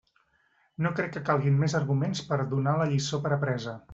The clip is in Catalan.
No crec que calguin més arguments per a donar la lliçó per apresa.